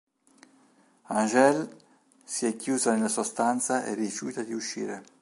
Angèle si è chiusa nella sua stanza e rifiuta di uscire.